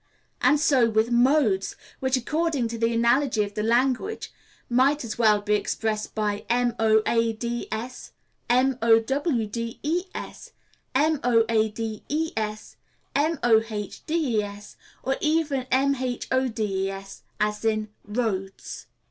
And so with modes, which, according to the analogy of the language, might as well be expressed by moads, mowdes, moades, mohdes, or even mhodes, as in Rhodes.